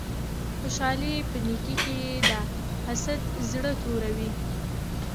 خوشحالی په نیکې کی ده حسد زړه توروی